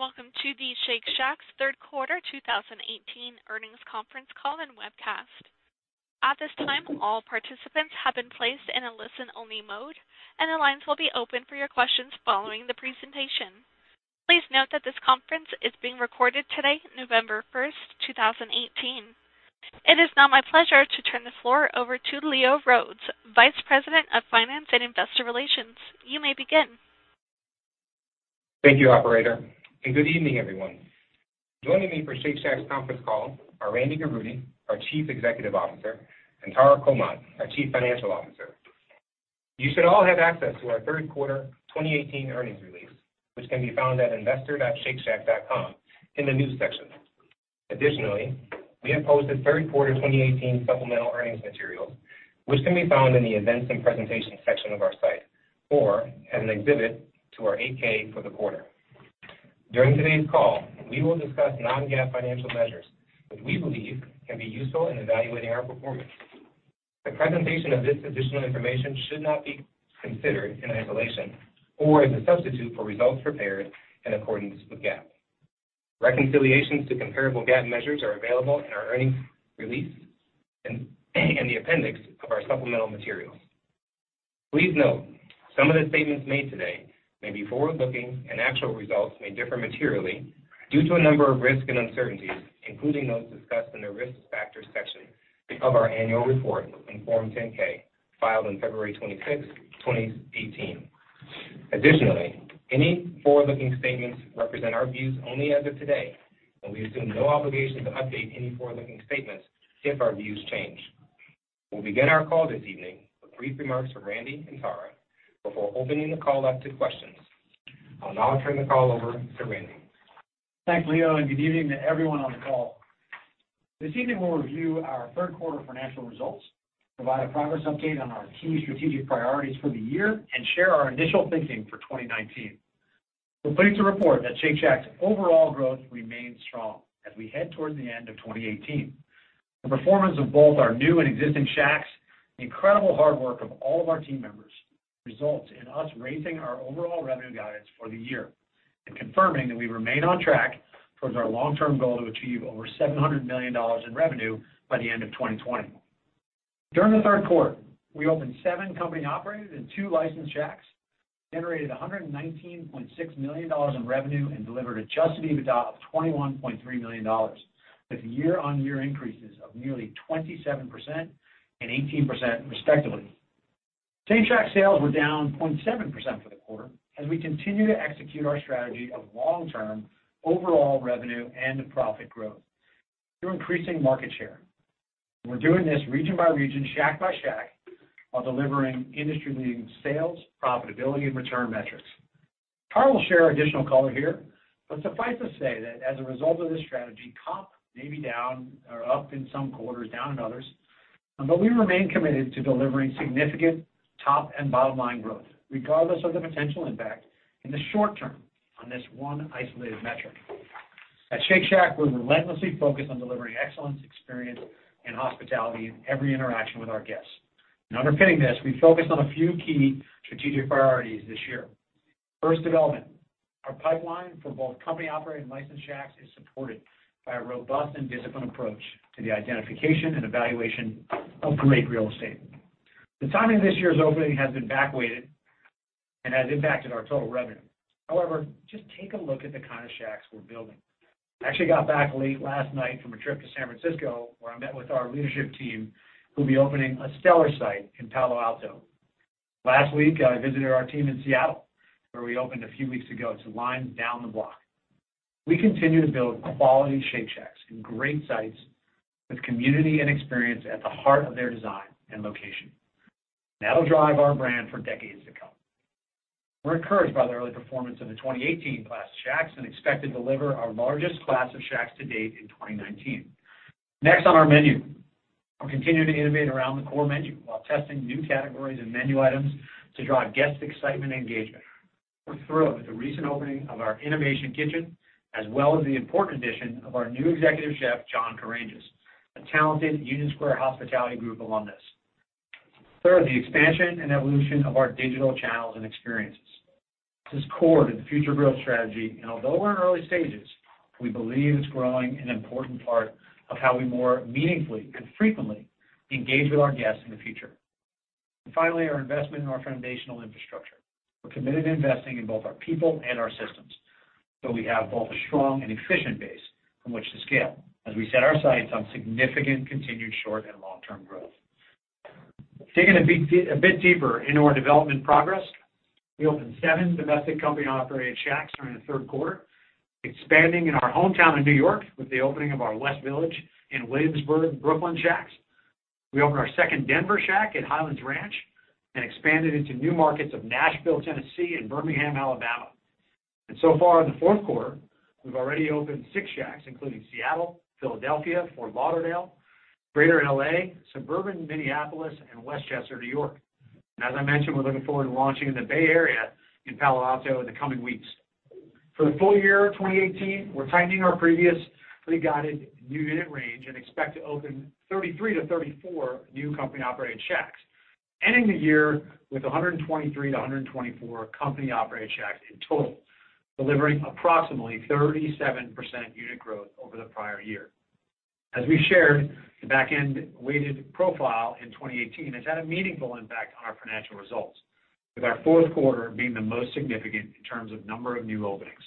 Good evening, welcome to the Shake Shack's third quarter 2018 earnings conference call and webcast. At this time, all participants have been placed in a listen-only mode. The lines will be open for your questions following the presentation. This conference is being recorded today, November 1st, 2018. It is now my pleasure to turn the floor over to Leo Rhodes, Vice President of Finance and Investor Relations. You may begin. Thank you, operator, good evening, everyone. Joining me for Shake Shack's conference call are Randy Garutti, our Chief Executive Officer, and Tara Comonte, our Chief Financial Officer. You should all have access to our third quarter 2018 earnings release, which can be found at investor.shakeshack.com in the News section. We have posted third quarter 2018 supplemental earnings materials, which can be found in the Events and Presentation section of our site, or as an exhibit to our 8-K for the quarter. During today's call, we will discuss non-GAAP financial measures that we believe can be useful in evaluating our performance. The presentation of this additional information should not be considered in isolation or as a substitute for results prepared in accordance with GAAP. Reconciliations to comparable GAAP measures are available in our earnings release and the appendix of our supplemental materials. Please note some of the statements made today may be forward-looking. Actual results may differ materially due to a number of risks and uncertainties, including those discussed in the Risk Factors section of our annual report on Form 10-K, filed on February 26th, 2018. Any forward-looking statements represent our views only as of today. We assume no obligation to update any forward-looking statements if our views change. We'll begin our call this evening with brief remarks from Randy and Tara before opening the call up to questions. I'll now turn the call over to Randy. Thanks, Leo, good evening to everyone on the call. This evening, we'll review our third quarter financial results, provide a progress update on our key strategic priorities for the year, share our initial thinking for 2019. We're pleased to report that Shake Shack's overall growth remains strong as we head towards the end of 2018. The performance of both our new and existing Shacks, the incredible hard work of all of our team members, results in us raising our overall revenue guidance for the year, confirming that we remain on track towards our long-term goal to achieve over $700 million in revenue by the end of 2020. During the third quarter, we opened seven company-operated and two licensed Shacks, generated $119.6 million in revenue, delivered adjusted EBITDA of $21.3 million, with year-on-year increases of nearly 27% and 18% respectively. Same-Shack sales were down 0.7% for the quarter as we continue to execute our strategy of long-term overall revenue and profit growth through increasing market share. We're doing this region by region, Shack by Shack, while delivering industry-leading sales, profitability, and return metrics. Tara will share additional color here, but suffice to say that as a result of this strategy, comp may be down or up in some quarters, down in others, but we remain committed to delivering significant top and bottom-line growth, regardless of the potential impact in the short term on this one isolated metric. At Shake Shack, we're relentlessly focused on delivering excellence, experience, and hospitality in every interaction with our guests. Underpinning this, we focused on a few key strategic priorities this year. First, development. Our pipeline for both company-operated and licensed Shacks is supported by a robust and disciplined approach to the identification and evaluation of great real estate. The timing of this year's opening has been back weighted and has impacted our total revenue. However, just take a look at the kind of Shacks we're building. I actually got back late last night from a trip to San Francisco, where I met with our leadership team, who'll be opening a stellar site in Palo Alto. Last week, I visited our team in Seattle, where we opened a few weeks ago to lines down the block. We continue to build quality Shake Shacks in great sites with community and experience at the heart of their design and location. That'll drive our brand for decades to come. We're encouraged by the early performance of the 2018 class Shacks and expect to deliver our largest class of Shacks to date in 2019. Next on our menu. We're continuing to innovate around the core menu while testing new categories and menu items to drive guest excitement and engagement. We're thrilled with the recent opening of our Innovation Kitchen, as well as the important addition of our new executive chef, John Karangis, a talented Union Square Hospitality Group alumnus. Third, the expansion and evolution of our digital channels and experiences. This is core to the future growth strategy, and although we're in early stages, we believe it's growing an important part of how we more meaningfully and frequently engage with our guests in the future. Finally, our investment in our foundational infrastructure. We're committed to investing in both our people and our systems so we have both a strong and efficient base from which to scale as we set our sights on significant continued short and long-term growth. Digging a bit deeper into our development progress, we opened seven domestic company-operated Shacks during the third quarter, expanding in our hometown of New York with the opening of our West Village and Williamsburg, Brooklyn Shacks. We opened our second Denver Shack at Highlands Ranch and expanded into new markets of Nashville, Tennessee and Birmingham, Alabama. So far in the fourth quarter, we've already opened six Shacks, including Seattle, Philadelphia, Fort Lauderdale, Greater L.A., suburban Minneapolis, and Westchester, New York. As I mentioned, we're looking forward to launching in the Bay Area in Palo Alto in the coming weeks. For the full year 2018, we are tightening our previous pre-guided new unit range and expect to open 33 to 34 new company-operated Shacks. Ending the year with 123 to 124 company-operated Shacks in total, delivering approximately 37% unit growth over the prior year. As we shared, the back-end-weighted profile in 2018 has had a meaningful impact on our financial results, with our fourth quarter being the most significant in terms of number of new openings.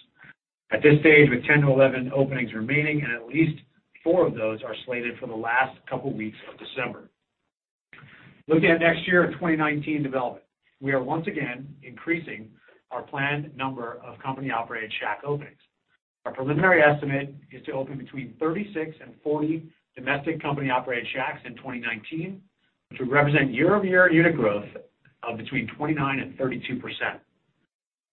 At this stage, with 10 to 11 openings remaining and at least four of those are slated for the last couple of weeks of December. Looking at next year, 2019 development, we are once again increasing our planned number of company-operated Shack openings. Our preliminary estimate is to open between 36 and 40 domestic company-operated Shacks in 2019, which would represent year-over-year unit growth of between 29% and 32%.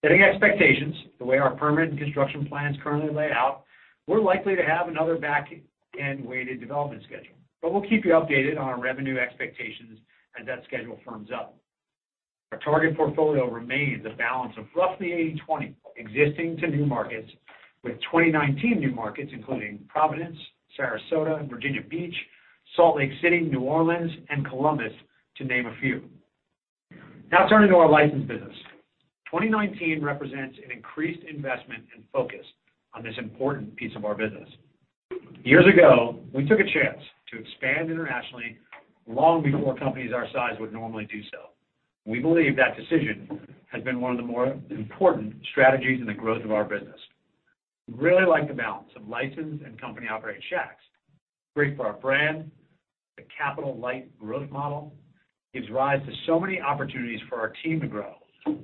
Setting expectations, the way our permit and construction plans currently laid out, we are likely to have another back-end-weighted development schedule. We'll keep you updated on our revenue expectations as that schedule firms up. Our target portfolio remains a balance of roughly 80/20 existing to new markets, with 2019 new markets including Providence, Sarasota, Virginia Beach, Salt Lake City, New Orleans, and Columbus, to name a few. Now turning to our license business. 2019 represents an increased investment and focus on this important piece of our business. Years ago, we took a chance to expand internationally long before companies our size would normally do so. We believe that decision has been one of the more important strategies in the growth of our business. We really like the balance of licensed and company-operated Shacks. Great for our brand, a capital light growth model, gives rise to so many opportunities for our team to grow.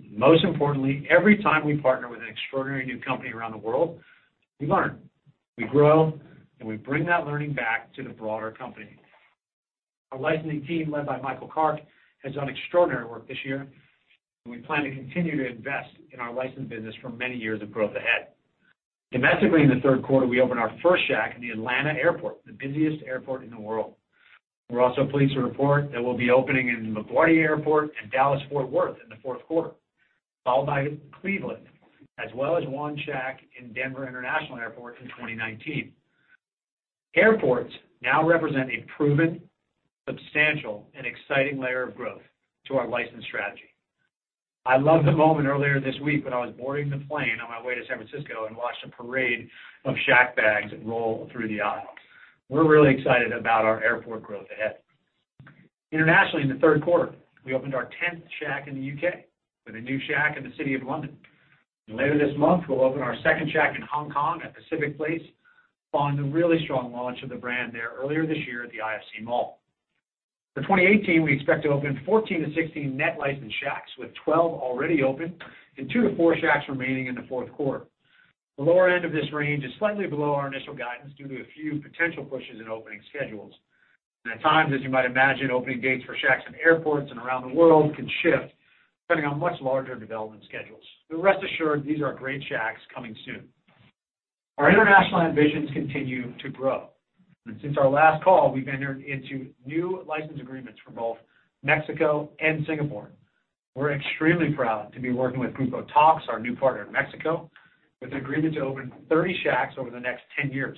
Most importantly, every time we partner with an extraordinary new company around the world, we learn, we grow, and we bring that learning back to the broader company. Our licensing team, led by Michael Kark, has done extraordinary work this year, and we plan to continue to invest in our license business for many years of growth ahead. Domestically in the third quarter, we opened our first Shack in the Atlanta airport, the busiest airport in the world. We are also pleased to report that we'll be opening in LaGuardia Airport and Dallas Fort Worth in the fourth quarter, followed by Cleveland, as well as one Shack in Denver International Airport in 2019. Airports now represent a proven, substantial, and exciting layer of growth to our license strategy. I loved the moment earlier this week when I was boarding the plane on my way to San Francisco and watched a parade of Shack bags roll through the aisle. We are really excited about our airport growth ahead. Internationally in the third quarter, we opened our 10th Shack in the U.K. with a new Shack in the city of London. Later this month, we'll open our second Shack in Hong Kong at Pacific Place, following the really strong launch of the brand there earlier this year at the IFC Mall. For 2018, we expect to open 14 to 16 net licensed Shacks, with 12 already open and 2 to 4 Shacks remaining in the fourth quarter. The lower end of this range is slightly below our initial guidance due to a few potential pushes in opening schedules. At times, as you might imagine, opening dates for Shacks in airports and around the world can shift depending on much larger development schedules. Rest assured, these are great Shacks coming soon. Our international ambitions continue to grow, and since our last call, we've entered into new license agreements for both Mexico and Singapore. We're extremely proud to be working with Grupo Toks, our new partner in Mexico, with an agreement to open 30 Shacks over the next 10 years,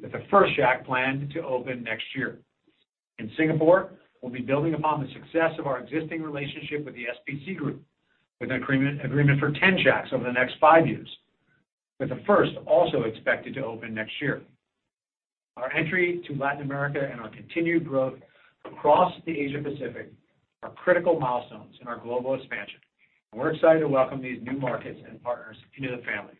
with the first Shack planned to open next year. In Singapore, we'll be building upon the success of our existing relationship with the SPC Group, with an agreement for 10 Shacks over the next five years, with the first also expected to open next year. Our entry to Latin America and our continued growth across the Asia Pacific are critical milestones in our global expansion. We're excited to welcome these new markets and partners into the family.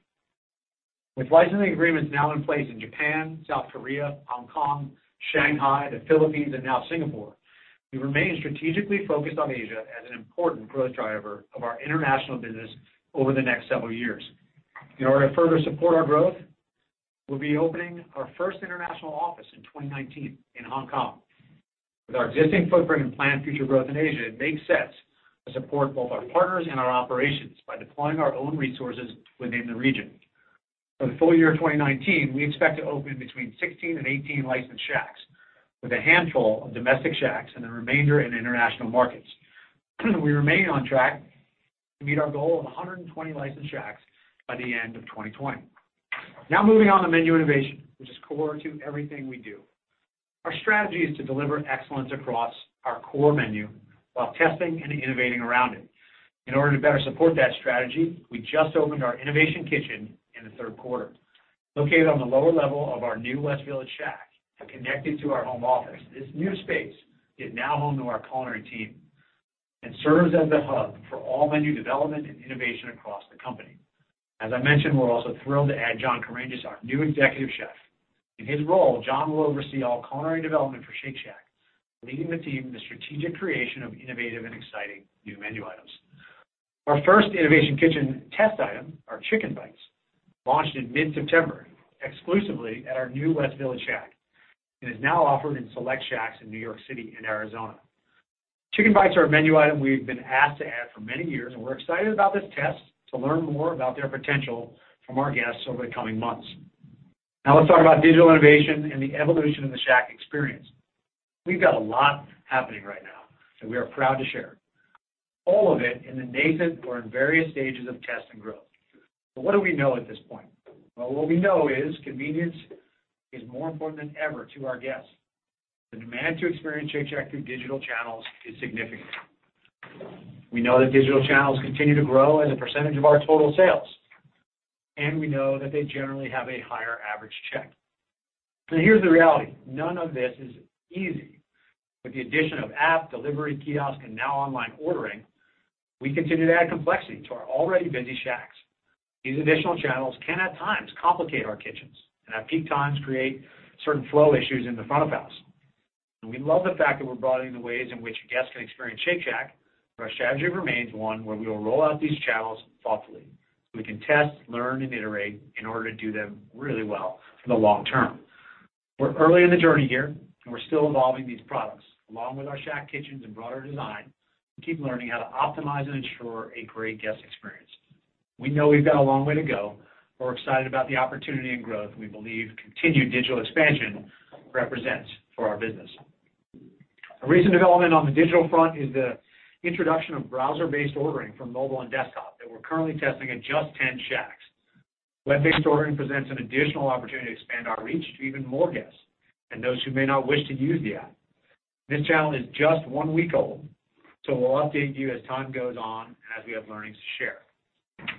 With licensing agreements now in place in Japan, South Korea, Hong Kong, Shanghai, the Philippines, and now Singapore, we remain strategically focused on Asia as an important growth driver of our international business over the next several years. In order to further support our growth, we'll be opening our first international office in 2019 in Hong Kong. With our existing footprint and planned future growth in Asia, it makes sense to support both our partners and our operations by deploying our own resources within the region. For the full year of 2019, we expect to open between 16 and 18 licensed Shacks, with a handful of domestic Shacks and the remainder in international markets. We remain on track to meet our goal of 120 licensed Shacks by the end of 2020. Moving on to menu innovation, which is core to everything we do. Our strategy is to deliver excellence across our core menu while testing and innovating around it. In order to better support that strategy, we just opened our Innovation Kitchen in the third quarter. Located on the lower level of our new West Village Shack and connected to our home office, this new space is now home to our culinary team and serves as the hub for all menu development and innovation across the company. As I mentioned, we're also thrilled to add John Karangis, our new executive chef. In his role, John will oversee all culinary development for Shake Shack, leading the team in the strategic creation of innovative and exciting new menu items. Our first Innovation Kitchen test item, our Chick'n Bites, launched in mid-September, exclusively at our new West Village Shack, and is now offered in select Shacks in New York City and Arizona. Chick'n Bites are a menu item we've been asked to add for many years. We're excited about this test to learn more about their potential from our guests over the coming months. Let's talk about digital innovation and the evolution of the Shack experience. We've got a lot happening right now that we are proud to share. All of it in the nascent or in various stages of test and growth. What do we know at this point? What we know is convenience is more important than ever to our guests. The demand to experience Shake Shack through digital channels is significant. We know that digital channels continue to grow as a percentage of our total sales, and we know that they generally have a higher average check. Here's the reality. None of this is easy. With the addition of app, delivery, kiosk, and now online ordering, we continue to add complexity to our already busy Shacks. These additional channels can, at times, complicate our kitchens, and at peak times, create certain flow issues in the front of house. We love the fact that we're broadening the ways in which guests can experience Shake Shack, but our strategy remains one where we will roll out these channels thoughtfully, so we can test, learn, and iterate in order to do them really well for the long term. We're early in the journey here, and we're still evolving these products. Along with our Shack kitchens and broader design, we keep learning how to optimize and ensure a great guest experience. We know we've got a long way to go, but we're excited about the opportunity and growth we believe continued digital expansion represents for our business. A recent development on the digital front is the introduction of browser-based ordering from mobile and desktop that we're currently testing at just 10 Shacks. Web-based ordering presents an additional opportunity to expand our reach to even more guests and those who may not wish to use the app. This channel is just one week old, so we'll update you as time goes on and as we have learnings to share.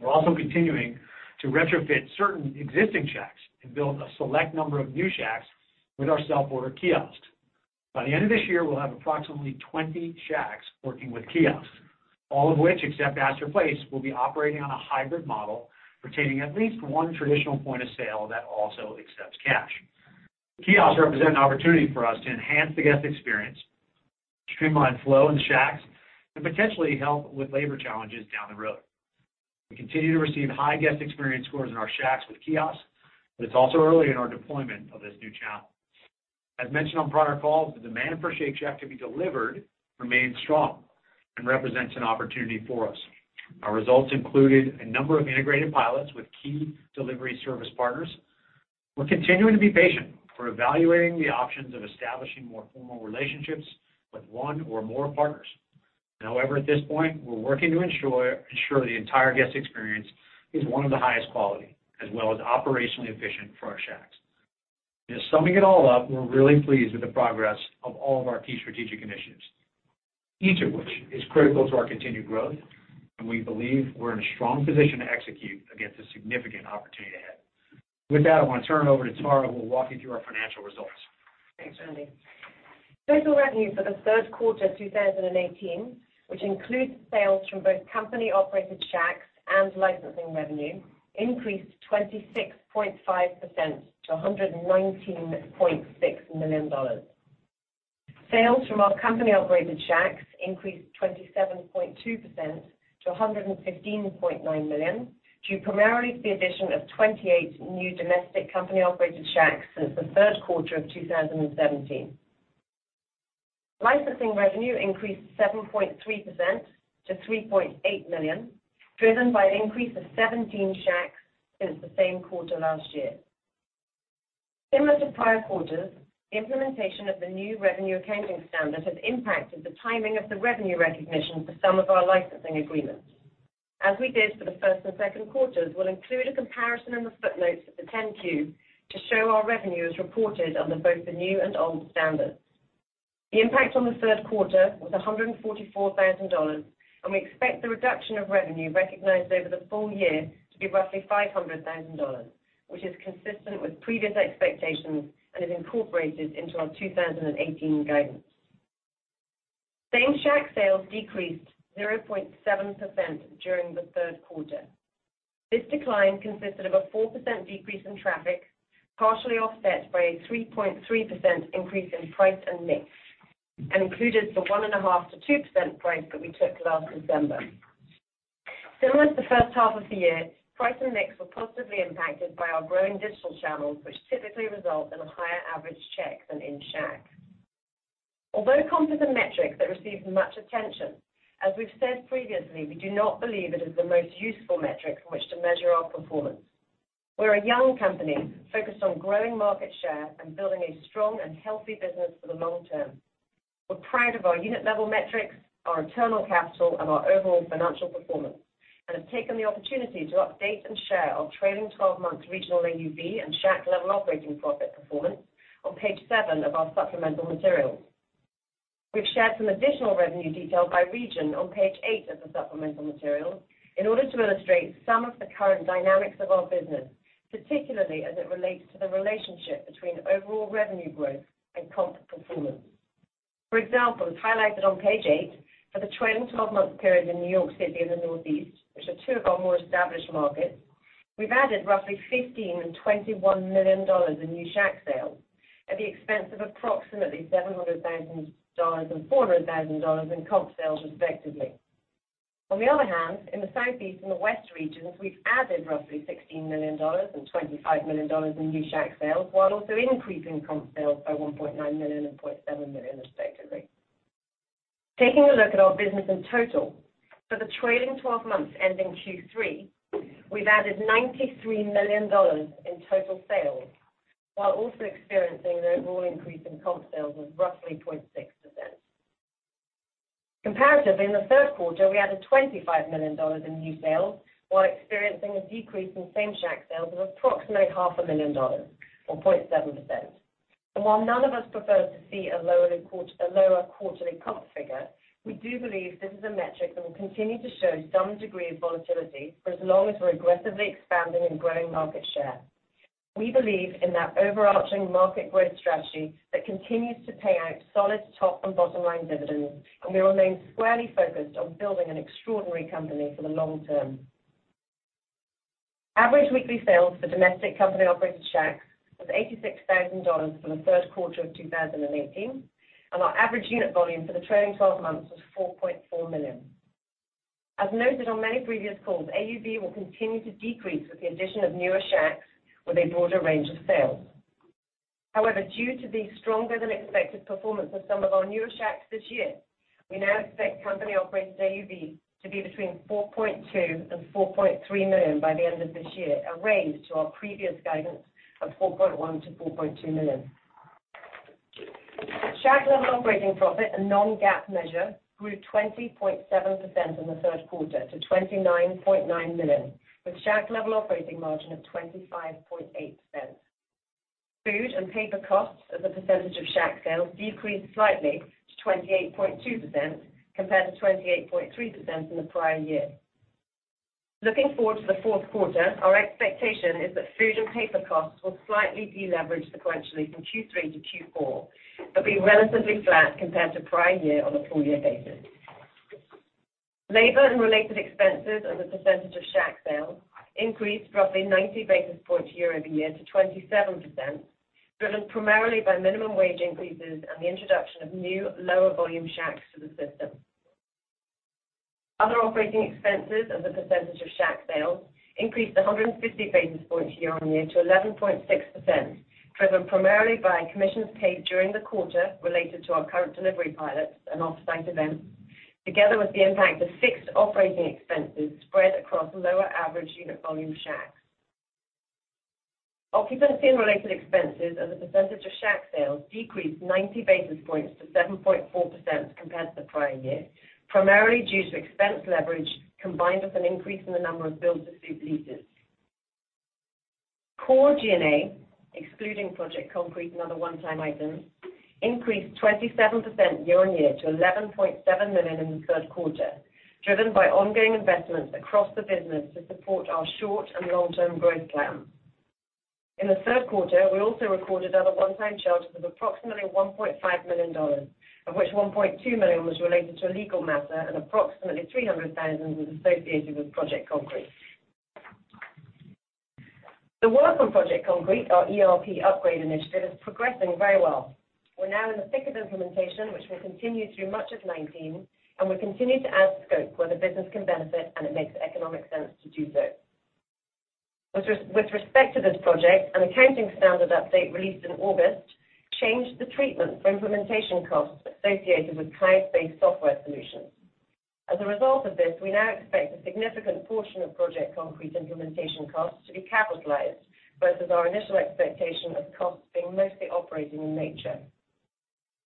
We're also continuing to retrofit certain existing Shacks and build a select number of new Shacks with our self-order kiosks. By the end of this year, we'll have approximately 20 Shacks working with kiosks, all of which, except Astor Place, will be operating on a hybrid model, retaining at least one traditional point of sale that also accepts cash. Kiosks represent an opportunity for us to enhance the guest experience, streamline flow in the Shacks, and potentially help with labor challenges down the road. We continue to receive high guest experience scores in our Shacks with kiosks, but it's also early in our deployment of this new channel. As mentioned on prior calls, the demand for Shake Shack to be delivered remains strong and represents an opportunity for us. Our results included a number of integrated pilots with key delivery service partners. We're continuing to be patient. We're evaluating the options of establishing more formal relationships with one or more partners. However, at this point, we're working to ensure the entire guest experience is one of the highest quality, as well as operationally efficient for our Shacks. Just summing it all up, we're really pleased with the progress of all of our key strategic initiatives, each of which is critical to our continued growth, and we believe we're in a strong position to execute against a significant opportunity ahead. With that, I want to turn it over to Tara, who will walk you through our financial results. Thanks, Randy. Total revenue for the third quarter 2018, which includes sales from both company-operated Shacks and licensing revenue, increased 26.5% to $119.6 million. Sales from our company-operated Shacks increased 27.2% to $115.9 million, due primarily to the addition of 28 new domestic company-operated Shacks since the third quarter of 2017. Licensing revenue increased 7.3% to $3.8 million, driven by an increase of 17 Shacks since the same quarter last year. Similar to prior quarters, implementation of the new revenue accounting standard has impacted the timing of the revenue recognition for some of our licensing agreements. As we did for the first and second quarters, we'll include a comparison in the footnotes of the 10-Q to show our revenues reported under both the new and old standards. The impact on the third quarter was $144,000, and we expect the reduction of revenue recognized over the full year to be roughly $500,000, which is consistent with previous expectations and is incorporated into our 2018 guidance. Same-Shack sales decreased 0.7% during the third quarter. This decline consisted of a 4% decrease in traffic, partially offset by a 3.3% increase in price and mix, and included the 1.5%-2% price that we took last December. Similar to the first half of the year, price and mix were positively impacted by our growing digital channels, which typically result in a higher average check than in-Shack. Although comp is a metric that receives much attention, as we've said previously, we do not believe it is the most useful metric from which to measure our performance. We're a young company focused on growing market share and building a strong and healthy business for the long term. We're proud of our unit-level metrics, our internal capital, and our overall financial performance, and have taken the opportunity to update and share our trailing 12-month regional AUV and Shack-level operating profit performance on page seven of our supplemental materials. We've shared some additional revenue detail by region on page eight of the supplemental materials in order to illustrate some of the current dynamics of our business, particularly as it relates to the relationship between overall revenue growth and comp performance. For example, as highlighted on page eight, for the trailing 12-month period in New York City and the Northeast, which are two of our more established markets, we've added roughly $15 and $21 million in new Shack sales at the expense of approximately $700,000 and $400,000 in comp sales, respectively. On the other hand, in the Southeast and the West regions, we've added roughly $16 million and $25 million in new Shack sales, while also increasing comp sales by $1.9 million and $0.7 million, respectively. Taking a look at our business in total, for the trailing 12 months ending Q3, we've added $93 million in total sales while also experiencing an overall increase in comp sales of roughly 26%. Comparatively, in the third quarter, we added $25 million in new sales while experiencing a decrease in Same-Shack sales of approximately $500,000 or 0.7%. While none of us prefers to see a lower quarterly comp figure, we do believe this is a metric that will continue to show some degree of volatility for as long as we're aggressively expanding and growing market share. We believe in that overarching market growth strategy that continues to pay out solid top and bottom line dividends, and we remain squarely focused on building an extraordinary company for the long term. Average weekly sales for domestic company-operated Shacks was $86,000 for the third quarter of 2018, and our average unit volume for the trailing 12 months was $4.4 million. As noted on many previous calls, AUV will continue to decrease with the addition of newer Shacks with a broader range of sales. However, due to the stronger than expected performance of some of our newer Shacks this year, we now expect company operated AUV to be between $4.2 million and $4.3 million by the end of this year, a raise to our previous guidance of $4.1 million to $4.2 million. Shack-level operating profit, a non-GAAP measure, grew 20.7% in the third quarter to $29.9 million, with Shack-level operating margin of 25.8%. Food and paper costs as a percentage of Shack sales decreased slightly to 28.2% compared to 28.3% in the prior year. Looking forward to the fourth quarter, our expectation is that food and paper costs will slightly de-leverage sequentially from Q3 to Q4, but be relatively flat compared to prior year on a full-year basis. Labor and related expenses as a percentage of Shack sales increased roughly 90 basis points year-over-year to 27%, driven primarily by minimum wage increases and the introduction of new, lower volume Shacks to the system. Other operating expenses as a percentage of Shack sales increased 150 basis points year-on-year to 11.6%, driven primarily by commissions paid during the quarter related to our current delivery pilots and offsite events, together with the impact of fixed operating expenses spread across lower average unit volume Shacks. Occupancy and related expenses as a percentage of Shack sales decreased 90 basis points to 7.4% compared to the prior year, primarily due to expense leverage combined with an increase in the number of build-to-suit leases. Core G&A, excluding Project Concrete and other one-time items, increased 27% year-on-year to $11.7 million in the third quarter, driven by ongoing investments across the business to support our short and long-term growth plans. In the third quarter, we also recorded other one-time charges of approximately $1.5 million, of which $1.2 million was related to a legal matter and approximately $300,000 was associated with Project Concrete. The work on Project Concrete, our ERP upgrade initiative, is progressing very well. We're now in the thick of implementation, which will continue through much of 2019, and we continue to add scope where the business can benefit and it makes economic sense to do so. With respect to this project, an accounting standard update released in August changed the treatment for implementation costs associated with cloud-based software solutions. As a result of this, we now expect a significant portion of Project Concrete implementation costs to be capitalized versus our initial expectation of costs being mostly operating in nature.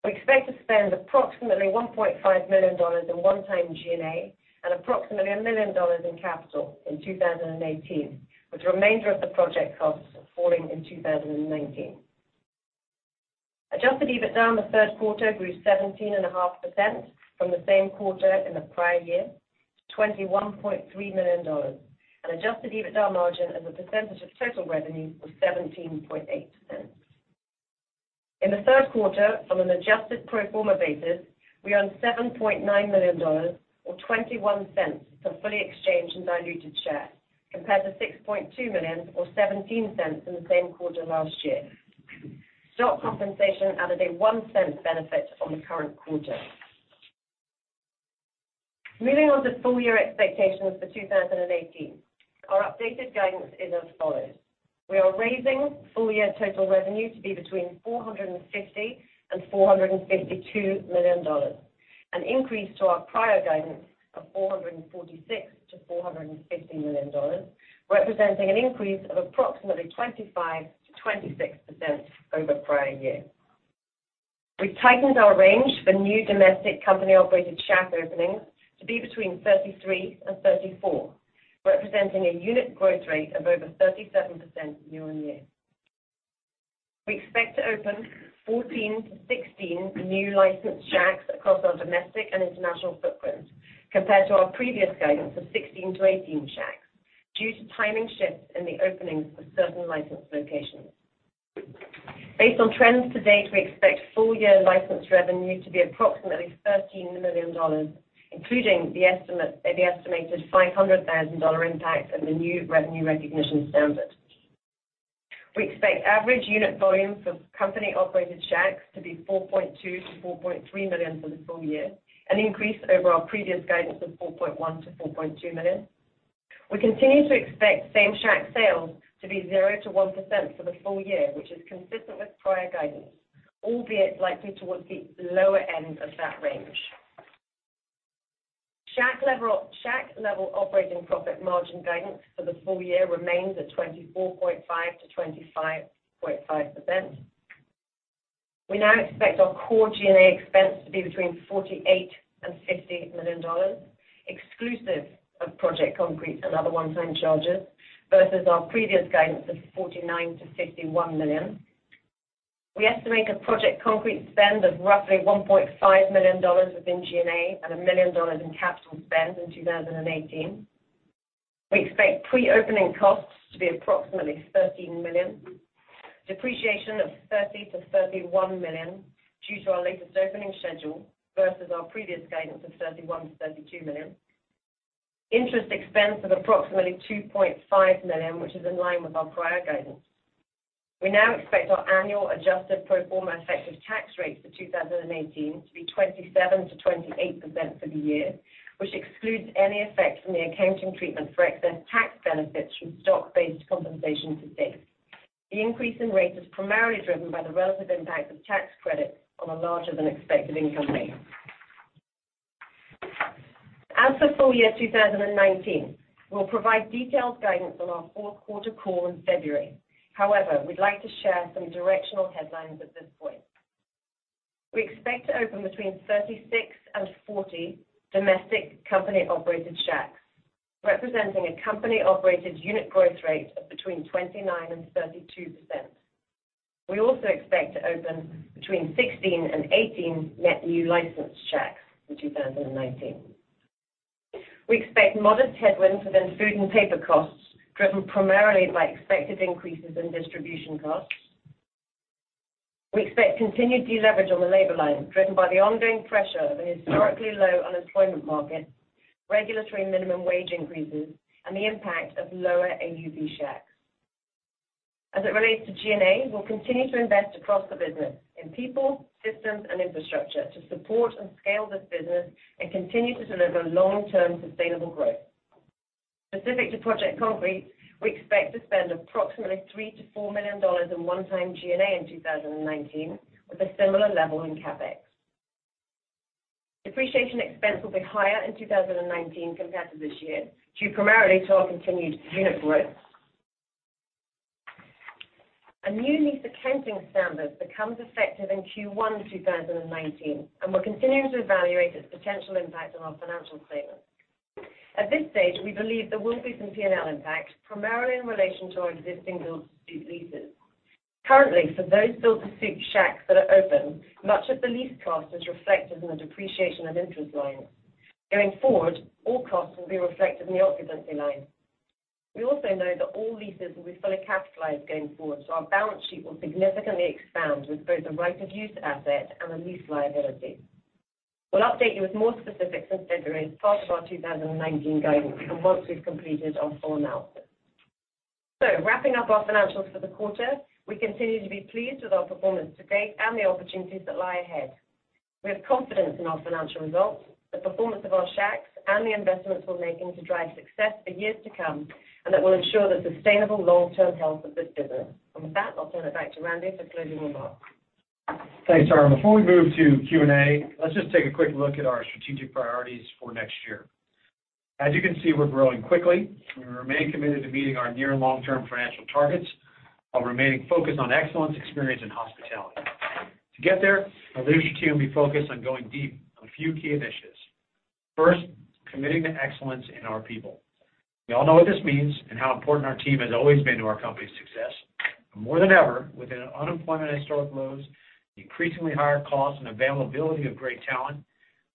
We expect to spend approximately $1.5 million in one-time G&A and approximately $1 million in capital in 2018, with the remainder of the project costs falling in 2019. Adjusted EBITDA in the third quarter grew 17.5% from the same quarter in the prior year to $21.3 million. Adjusted EBITDA margin as a percentage of total revenue was 17.8%. In the third quarter, on an adjusted pro forma basis, we earned $7.9 million or $0.21 for fully exchanged and diluted shares, compared to $6.2 million or $0.17 in the same quarter last year. Stock compensation added a $0.01 benefit on the current quarter. Moving on to full year expectations for 2018. Our updated guidance is as follows. We are raising full year total revenue to be between $450 million and $452 million, an increase to our prior guidance of $446 million to $450 million, representing an increase of approximately 25%-26% over prior year. We have tightened our range for new domestic company-operated Shack openings to be between 33 and 34, representing a unit growth rate of over 37% year-on-year. We expect to open 14 to 16 new licensed Shacks across our domestic and international footprint compared to our previous guidance of 16 to 18 Shacks due to timing shifts in the openings of certain licensed locations. Based on trends to date, we expect full year licensed revenue to be approximately $13 million, including the estimated $500,000 impact of the new revenue recognition standard. We expect average unit volumes for company-operated Shacks to be $4.2 million to $4.3 million for the full year, an increase over our previous guidance of $4.1 million to $4.2 million. We continue to expect Same-Shack sales to be 0%-1% for the full year, which is consistent with prior guidance, albeit likely towards the lower end of that range. Shack-level operating profit margin guidance for the full year remains at 24.5%-25.5%. We now expect our core G&A expense to be between $48 million and $50 million, exclusive of Project Concrete and other one-time charges, versus our previous guidance of $49 million to $51 million. We estimate a Project Concrete spend of roughly $1.5 million within G&A and $1 million in capital spend in 2018. We expect pre-opening costs to be approximately $13 million. Depreciation of $30 million to $31 million due to our latest opening schedule versus our previous guidance of $31 million to $32 million. Interest expense of approximately $2.5 million, which is in line with our prior guidance. We now expect our annual adjusted pro forma effective tax rate for 2018 to be 27%-28% for the year, which excludes any effect from the accounting treatment for excess tax benefits from stock-based compensation to date. The increase in rate is primarily driven by the relative impact of tax credits on a larger than expected income base. As for full year 2019, we will provide detailed guidance on our fourth quarter call in February. However, we would like to share some directional headlines at this point. We expect to open between 36 and 40 domestic company-operated Shacks, representing a company-operated unit growth rate of between 29% and 32%. We also expect to open between 16 and 18 net new licensed Shacks in 2019. We expect modest headwinds within food and paper costs, driven primarily by expected increases in distribution costs. We expect continued deleverage on the labor line, driven by the ongoing pressure of a historically low unemployment market, regulatory minimum wage increases, and the impact of lower AUV Shacks. As it relates to G&A, we will continue to invest across the business in people, systems, and infrastructure to support and scale this business and continue to deliver long-term sustainable growth. Specific to Project Concrete, we expect to spend approximately $3 million to $4 million in one-time G&A in 2019, with a similar level in CapEx. Depreciation expense will be higher in 2019 compared to this year, due primarily to our continued unit growth. A new lease accounting standard becomes effective in Q1 2019, and we are continuing to evaluate its potential impact on our financial statements. At this stage, we believe there will be some P&L impact, primarily in relation to our existing build-to-suit leases. Currently, for those build-to-suit Shacks that are open, much of the lease cost is reflected in the depreciation and interest line. Going forward, all costs will be reflected in the occupancy line. We also know that all leases will be fully capitalized going forward, so our balance sheet will significantly expand with both the right of use asset and the lease liability. We will update you with more specifics in February as part of our 2019 guidance, and once we have completed our full analysis. Wrapping up our financials for the quarter, we continue to be pleased with our performance to date and the opportunities that lie ahead. We have confidence in our financial results, the performance of our Shacks, and the investments we are making to drive success for years to come, and that will ensure the sustainable long-term health of this business. With that, I will turn it back to Randy for closing remarks. Thanks, Tara. Before we move to Q&A, let us just take a quick look at our strategic priorities for next year. As you can see, we are growing quickly, and we remain committed to meeting our near and long-term financial targets, while remaining focused on excellence, experience, and hospitality. To get there, our leadership team will be focused on going deep on a few key initiatives. First, committing to excellence in our people. We all know what this means and how important our team has always been to our company's success. More than ever, with unemployment at historic lows, increasingly higher costs and availability of great talent,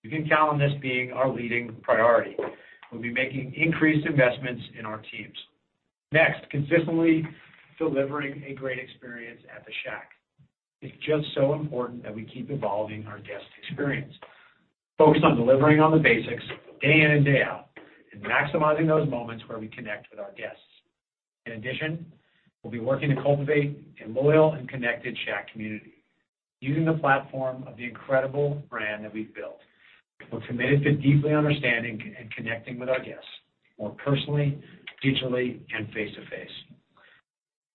you can count on this being our leading priority. We will be making increased investments in our teams. Consistently delivering a great experience at the Shack. It is just so important that we keep evolving our guest experience. Focused on delivering on the basics day in and day out, maximizing those moments where we connect with our guests. In addition, we'll be working to cultivate a loyal and connected Shack community using the platform of the incredible brand that we've built. We're committed to deeply understanding and connecting with our guests more personally, digitally, and face-to-face.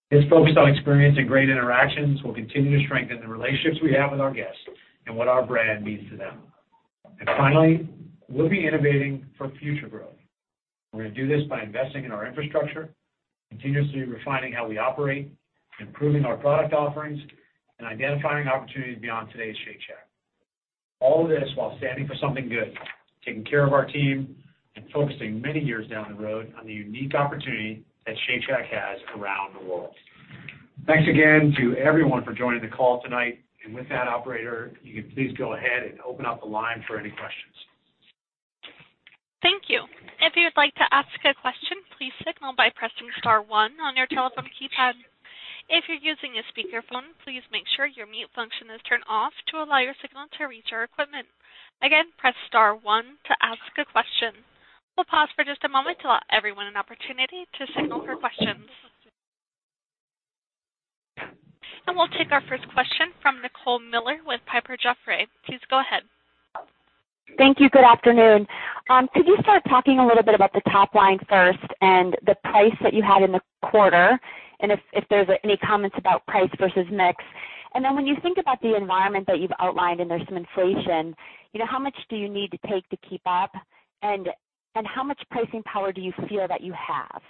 This focus on experience and great interactions will continue to strengthen the relationships we have with our guests and what our brand means to them. Finally, we'll be innovating for future growth. We're going to do this by investing in our infrastructure, continuously refining how we operate, improving our product offerings, and identifying opportunities beyond today's Shake Shack. All of this while standing for something good, taking care of our team, and focusing many years down the road on the unique opportunity that Shake Shack has around the world. Thanks again to everyone for joining the call tonight. With that, operator, you can please go ahead and open up the line for any questions. Thank you. If you'd like to ask a question, please signal by pressing star one on your telephone keypad. If you're using a speakerphone, please make sure your mute function is turned off to allow your signal to reach our equipment. Again, press star one to ask a question. We'll pause for just a moment to allow everyone an opportunity to signal for questions. We'll take our first question from Nicole Miller with Piper Jaffray. Please go ahead. Thank you. Good afternoon. Could you start talking a little bit about the top line first and the price that you had in the quarter, and if there's any comments about price versus mix? When you think about the environment that you've outlined, and there's some inflation, how much do you need to take to keep up? How much pricing power do you feel that you have?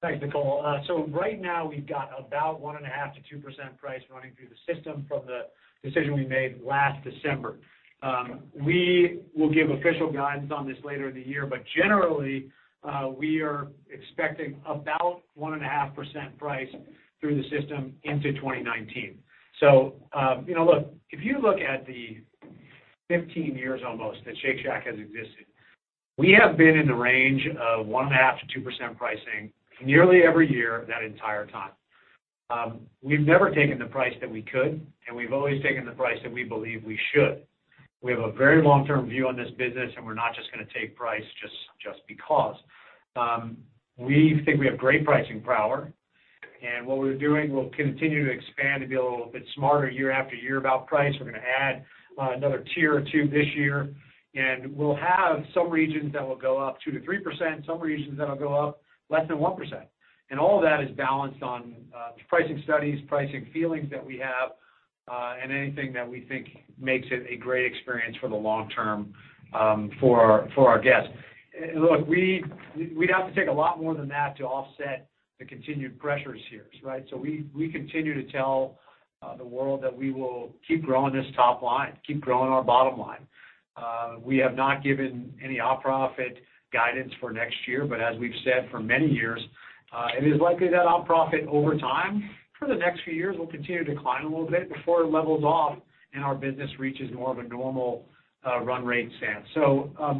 Thanks, Nicole. Right now we've got about 1.5%-2% price running through the system from the decision we made last December. We will give official guidance on this later in the year, but generally, we are expecting about 1.5% price through the system into 2019. Look, if you look at the 15 years almost that Shake Shack has existed, we have been in the range of 1.5%-2% pricing nearly every year that entire time. We've never taken the price that we could, and we've always taken the price that we believe we should. We have a very long-term view on this business, and we're not just going to take price just because. We think we have great pricing power. What we're doing, we'll continue to expand and be a little bit smarter year after year about price. We're going to add another tier or two this year, and we'll have some regions that will go up 2%-3%, some regions that'll go up less than 1%. All of that is balanced on pricing studies, pricing feelings that we have, and anything that we think makes it a great experience for the long term for our guests. Look, we'd have to take a lot more than that to offset the continued pressures here. We continue to tell the world that we will keep growing this top line, keep growing our bottom line. We have not given any off-profit guidance for next year, but as we've said for many years, it is likely that off-profit over time for the next few years will continue to decline a little bit before it levels off and our business reaches more of a normal run rate stance.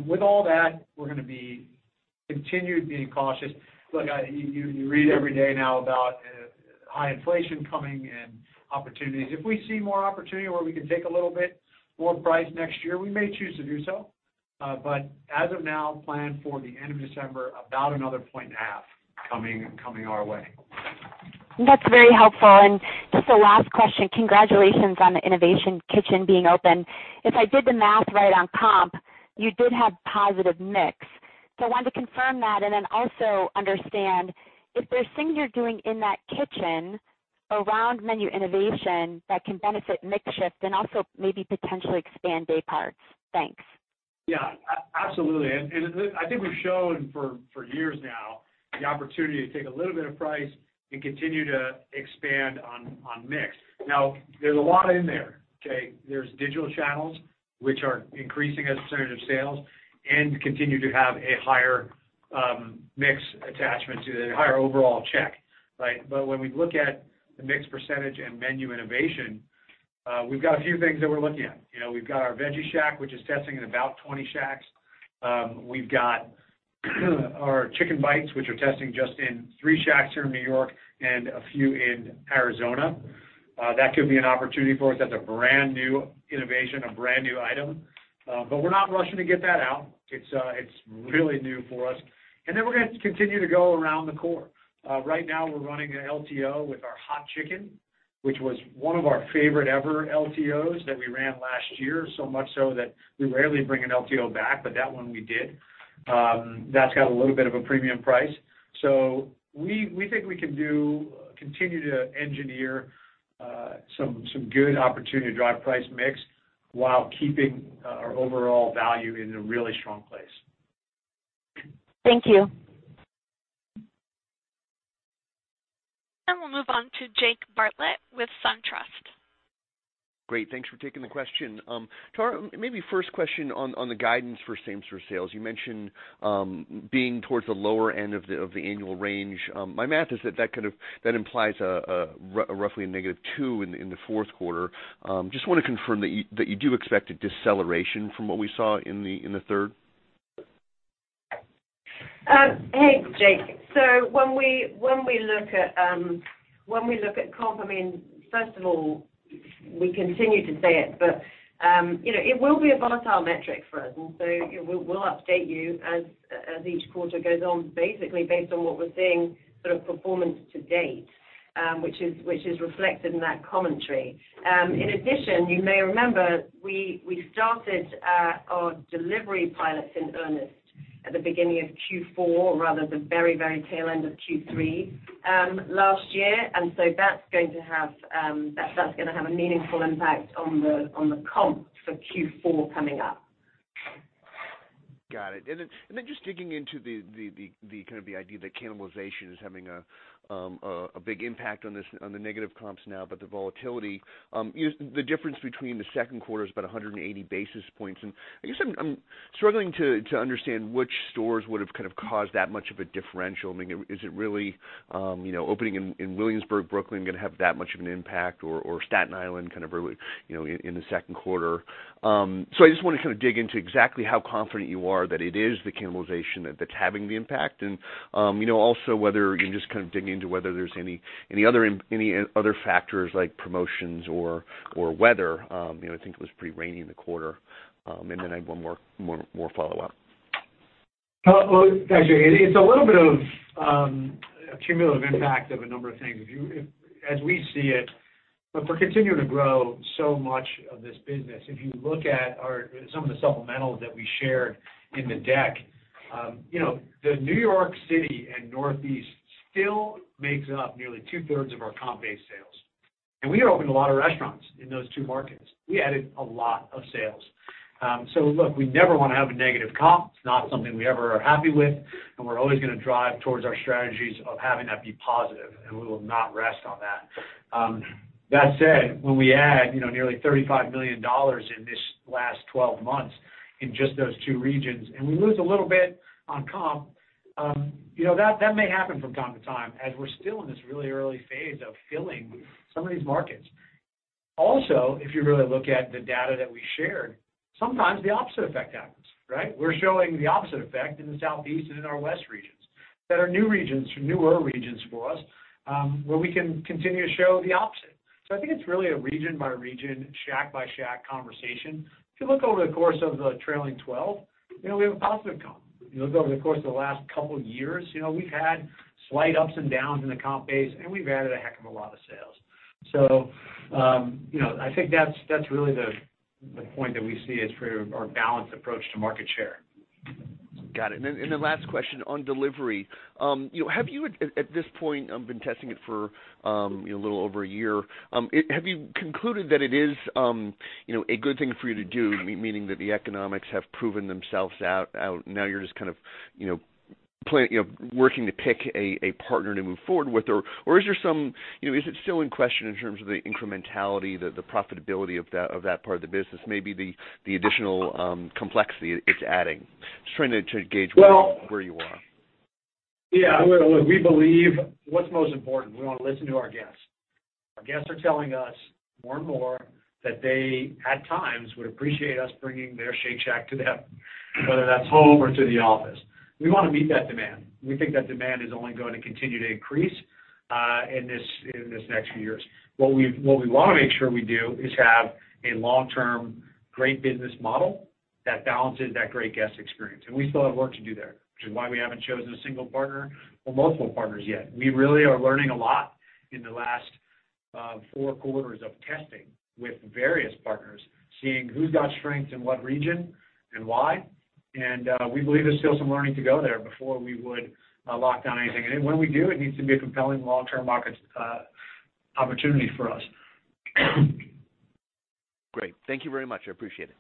With all that, we're going to be continued being cautious. Look, you read every day now about high inflation coming and opportunities. If we see more opportunity where we can take a little bit more price next year, we may choose to do so. As of now, plan for the end of December, about another point and a half coming our way. That's very helpful. Just a last question. Congratulations on the Innovation Kitchen being open. If I did the math right on comp, you did have positive mix. I wanted to confirm that, and then also understand if there's things you're doing in that kitchen around menu innovation that can benefit mix shift and also maybe potentially expand day parts. Thanks. Yeah, absolutely. I think we've shown for years now the opportunity to take a little bit of price and continue to expand on mix. There's a lot in there. There's digital channels which are increasing as a percentage of sales and continue to have a higher mix attachment to the higher overall check. When we look at the mix percentage and menu innovation, we've got a few things that we're looking at. We've got our Veggie Shack, which is testing in about 20 Shacks. We've got our Chick'n Bites, which we're testing just in three Shacks here in New York and a few in Arizona. That could be an opportunity for us. That's a brand-new innovation, a brand-new item. We're not rushing to get that out. It's really new for us. We're going to continue to go around the core. Right now we're running an LTO with our Hot Chicken, which was one of our favorite ever LTOs that we ran last year, so much so that we rarely bring an LTO back, that one we did. That's got a little bit of a premium price. We think we can continue to engineer some good opportunity to drive price mix while keeping our overall value in a really strong place. Thank you. We'll move on to Jake Bartlett with SunTrust. Great. Thanks for taking the question. Tara Comonte, maybe first question on the guidance for same store sales. You mentioned being towards the lower end of the annual range. My math is that implies a roughly a -2% in the fourth quarter. Just want to confirm that you do expect a deceleration from what we saw in the third. Hey, Jake Bartlett. When we look at comp, first of all, we continue to say it, but it will be a volatile metric for us. We'll update you as each quarter goes on, basically based on what we're seeing sort of performance to date, which is reflected in that commentary. In addition, you may remember we started our delivery pilots in earnest at the beginning of Q4, rather the very tail end of Q3 last year. That's going to have a meaningful impact on the comp for Q4 coming up. Got it. Just digging into the idea that cannibalization is having a big impact on the negative comps now, but the volatility, the difference between the second quarter is about 180 basis points. I guess I'm struggling to understand which stores would've kind of caused that much of a differential. Is it really opening in Williamsburg, Brooklyn going to have that much of an impact or Staten Island kind of early in the second quarter? I just want to kind of dig into exactly how confident you are that it is the cannibalization that's having the impact and also whether you can just kind of dig into whether there's any other factors like promotions or weather. I think it was pretty rainy in the quarter. I have one more follow-up. Well, thanks, Jake Bartlett. It's a little bit of a cumulative impact of a number of things as we see it. If we're continuing to grow so much of this business, if you look at some of the supplementals that we shared in the deck. The New York City and Northeast still makes up nearly two-thirds of our comp-based sales. We opened a lot of restaurants in those two markets. We added a lot of sales. Look, we never want to have a negative comp. It's not something we ever are happy with, and we're always going to drive towards our strategies of having that be positive, and we will not rest on that. That said, when we add nearly $35 million in this last 12 months in just those two regions, and we lose a little bit on comp, that may happen from time to time as we're still in this really early phase of filling some of these markets. Also, if you really look at the data that we shared, sometimes the opposite effect happens, right? We're showing the opposite effect in the Southeast and in our West regions, that are new regions or newer regions for us, where we can continue to show the opposite. I think it's really a region by region, Shack by Shack conversation. If you look over the course of the trailing 12, we have a positive comp. If you look over the course of the last couple of years, we've had slight ups and downs in the comp base, and we've added a heck of a lot of sales. I think that's really the point that we see as for our balanced approach to market share. Got it. Last question on delivery. Have you, at this point, been testing it for a little over a year, have you concluded that it is a good thing for you to do, meaning that the economics have proven themselves out, now you're just kind of working to pick a partner to move forward with? Or is it still in question in terms of the incrementality, the profitability of that part of the business, maybe the additional complexity it's adding? Just trying to gauge. Well- where you are. Yeah. Look, we believe what's most important, we want to listen to our guests. Our guests are telling us more and more that they, at times, would appreciate us bringing their Shake Shack to them, whether that's home or to the office. We want to meet that demand. We think that demand is only going to continue to increase in these next few years. What we want to make sure we do is have a long-term great business model that balances that great guest experience. We still have work to do there, which is why we haven't chosen a single partner or multiple partners yet. We really are learning a lot in the last four quarters of testing with various partners, seeing who's got strengths in what region and why. We believe there's still some learning to go there before we would lock down anything. When we do, it needs to be a compelling long-term market opportunity for us. Great. Thank you very much. I appreciate it.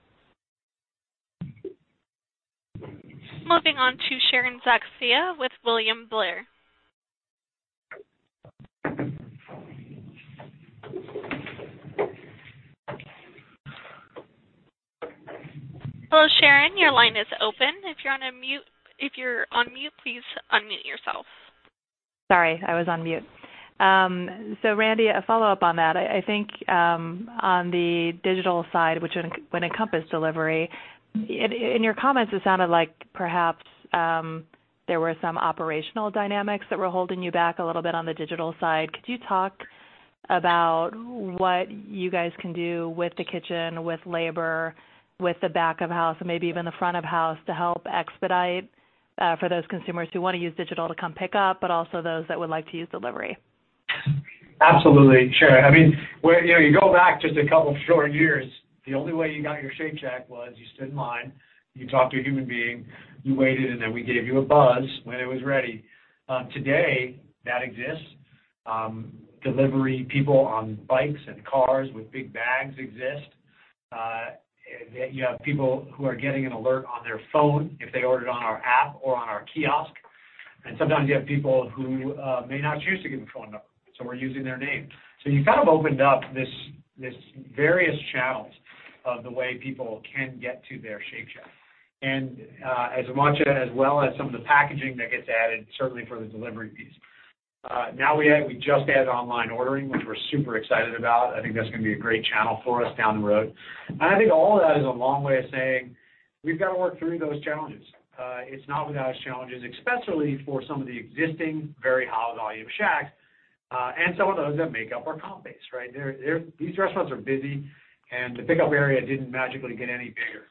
Moving on to Sharon Zackfia with William Blair. Hello, Sharon, your line is open. If you're on mute, please unmute yourself. Sorry, I was on mute. Randy, a follow-up on that. I think on the digital side, which would encompass delivery, in your comments, it sounded like perhaps there were some operational dynamics that were holding you back a little bit on the digital side. Could you talk about what you guys can do with the kitchen, with labor, with the back of house, and maybe even the front of house to help expedite for those consumers who want to use digital to come pick up, but also those that would like to use delivery? Absolutely, Sharon. You go back just a couple short years, the only way you got your Shake Shack was you stood in line, you talked to a human being, you waited, then we gave you a buzz when it was ready. Today, that exists. Delivery people on bikes and cars with big bags exist. You have people who are getting an alert on their phone if they ordered on our app or on our kiosk. Sometimes you have people who may not choose to give a phone number, so we're using their name. You've kind of opened up these various channels of the way people can get to their Shake Shack. As much, as well as some of the packaging that gets added, certainly for the delivery piece. Now we just added online ordering, which we're super excited about. I think that's going to be a great channel for us down the road. I think all of that is a long way of saying we've got to work through those challenges. It's not without its challenges, especially for some of the existing very high volume Shacks, and some of those that make up our comp base. These restaurants are busy, and the pickup area didn't magically get any bigger.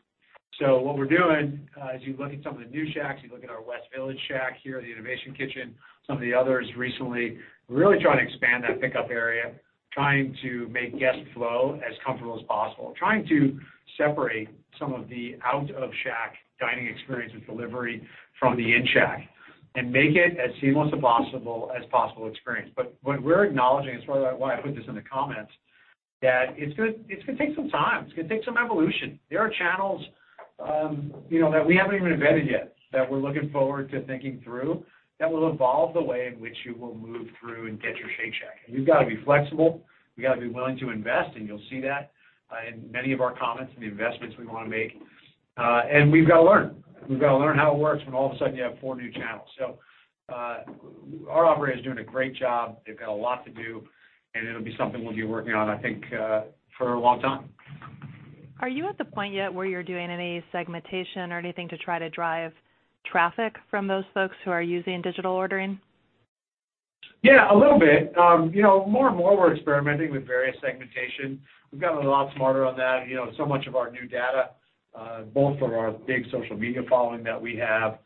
What we're doing, as you look at some of the new Shacks, you look at our West Village Shack here, the Innovation Kitchen, some of the others recently, we're really trying to expand that pickup area, trying to make guest flow as comfortable as possible, trying to separate some of the out of Shack dining experience with delivery from the in Shack, and make it as seamless as possible experience. What we're acknowledging, it's probably why I put this in the comments, that it's going to take some time. It's going to take some evolution. There are channels that we haven't even invented yet that we're looking forward to thinking through that will evolve the way in which you will move through and get your Shake Shack. We've got to be flexible. We got to be willing to invest, and you'll see that in many of our comments and the investments we want to make. We've got to learn. We've got to learn how it works when all of a sudden you have four new channels. Our operator is doing a great job. They've got a lot to do, and it'll be something we'll be working on, I think, for a long time. Are you at the point yet where you're doing any segmentation or anything to try to drive traffic from those folks who are using digital ordering? Yeah, a little bit. More and more, we're experimenting with various segmentation. We've gotten a lot smarter on that. Much of our new data, both from our big social media following that we have,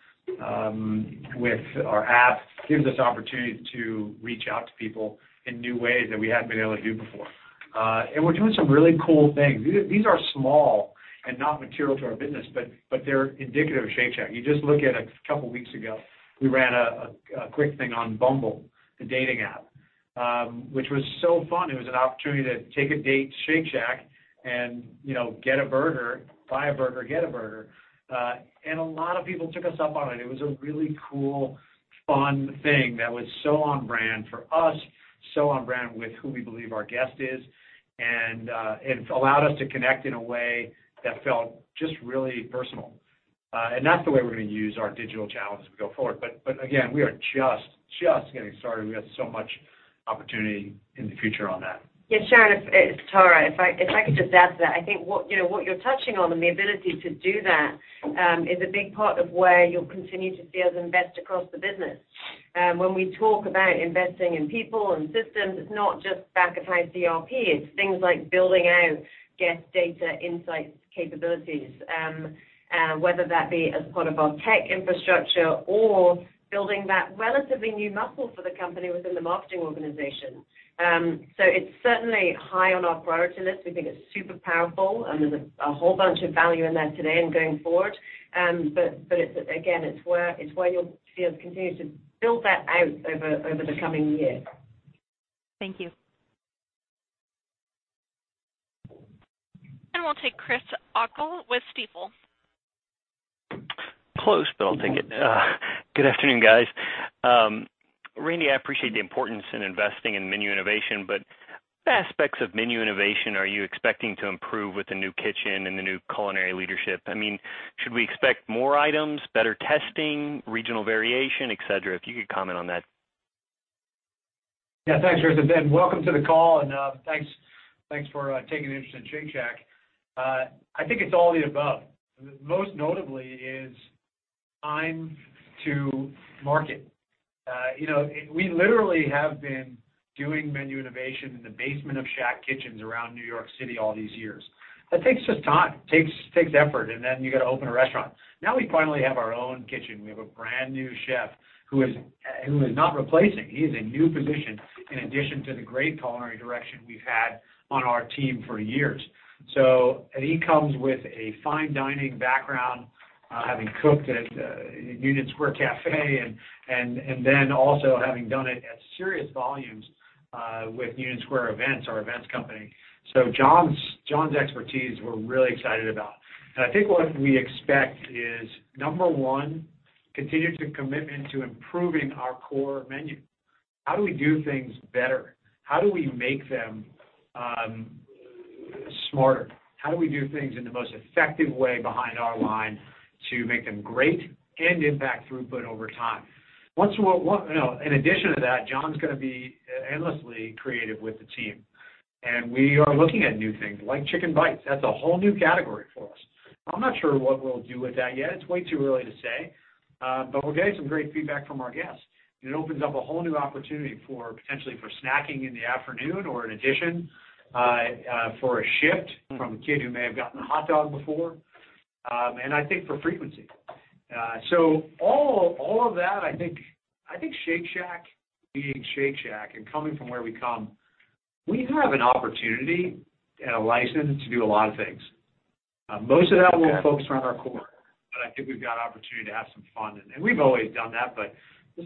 with our app, gives us opportunity to reach out to people in new ways that we haven't been able to do before. We're doing some really cool things. These are small and not material to our business, but they're indicative of Shake Shack. You just look at a couple of weeks ago, we ran a quick thing on Bumble, the dating app, which was so fun. It was an opportunity to take a date to Shake Shack and buy a burger, get a burger. A lot of people took us up on it. It was a really cool, fun thing that was so on-brand for us, so on-brand with who we believe our guest is. It allowed us to connect in a way that felt just really personal. That's the way we're going to use our digital channels as we go forward. Again, we are just getting started. We have so much opportunity in the future on that. Yeah, Sharon, it's Tara. If I could just add to that, I think what you're touching on and the ability to do that is a big part of where you'll continue to see us invest across the business. When we talk about investing in people and systems, it's not just back of house ERP, it's things like building out guest data insights capabilities, whether that be as part of our tech infrastructure or building that relatively new muscle for the company within the marketing organization. It's certainly high on our priority list. We think it's super powerful, and there's a whole bunch of value in that today and going forward. Again, it's where you'll see us continue to build that out over the coming year. Thank you. We'll take Chris O'Cull with Stifel. Close, I'll take it. Good afternoon, guys. Randy, I appreciate the importance in investing in menu innovation, what aspects of menu innovation are you expecting to improve with the new kitchen and the new culinary leadership? Should we expect more items, better testing, regional variation, et cetera? If you could comment on that. Thanks, Chris, welcome to the call, thanks for taking an interest in Shake Shack. I think it's all the above. Most notably is time to market. We literally have been doing menu innovation in the basement of Shack kitchens around New York City all these years. That takes just time, takes effort, then you got to open a restaurant. Now we finally have our own kitchen. We have a brand new chef who is not replacing. He is a new position in addition to the great culinary direction we've had on our team for years. He comes with a fine dining background, having cooked at Union Square Cafe then also having done it at serious volumes with Union Square Events, our events company. Jon's expertise, we're really excited about. I think what we expect is, number one, continued commitment to improving our core menu. How do we do things better? How do we make them smarter? How do we do things in the most effective way behind our line to make them great and impact throughput over time? In addition to that, Jon's going to be endlessly creative with the team. We are looking at new things like Chick'n Bites. That's a whole new category for us. I'm not sure what we'll do with that yet. It's way too early to say. We're getting some great feedback from our guests. It opens up a whole new opportunity potentially for snacking in the afternoon or in addition for a shift from a kid who may have gotten a hot dog before, and I think for frequency. All of that, I think Shake Shack being Shake Shack and coming from where we come, we have an opportunity and a license to do a lot of things. Most of that will focus around our core, I think we've got an opportunity to have some fun, we've always done that, this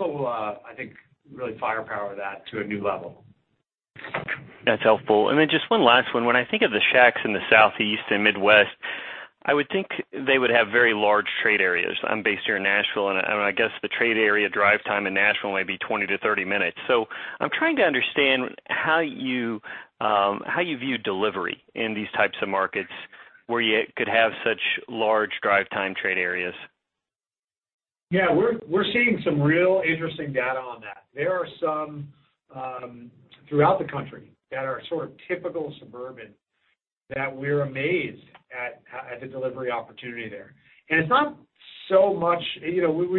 will, I think, really firepower that to a new level. That's helpful. Then just one last one. When I think of the Shacks in the Southeast and Midwest, I would think they would have very large trade areas. I'm based here in Nashville, I guess the trade area drive time in Nashville may be 20-30 minutes. I'm trying to understand how you view delivery in these types of markets where you could have such large drive time trade areas. Yeah, we're seeing some real interesting data on that. There are some throughout the country that are sort of typical suburban that we're amazed at the delivery opportunity there. We've